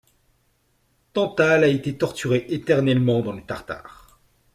Tantale a été torturé éternellement dans le Tartare.